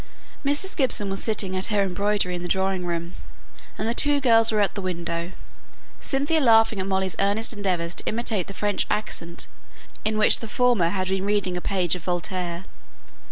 Mrs. Gibson was sitting at her embroidery in the drawing room, and the two girls were at the window, Cynthia laughing at Molly's earnest endeavours to imitate the French accent in which the former had been reading a page of Voltaire.